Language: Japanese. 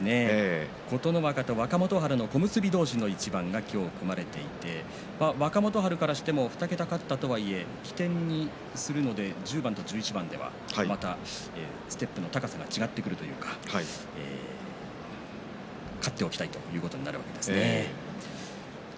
琴ノ若と若元春の小結同士の一番が組まれていて若元春からしても２桁勝ったとはいえ起点にするのでは１０番と１１番ではまたステップの高さが違ってくるというか勝っておきたいということになるわけですね。